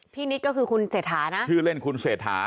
นิดก็คือคุณเศรษฐานะชื่อเล่นคุณเศรษฐา